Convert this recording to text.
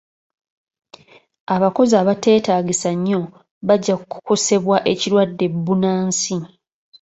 Abakozi abateetaagisa nnyo bajja kukosebwa ekirwadde bbunansi.